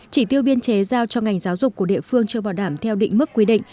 chỉ tiêu biên chế giao cho ngành giáo dục của địa phương chưa bảo đảm theo định mức quy định